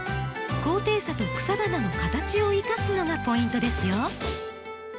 高低差と草花の形を生かすのがポイントですよ。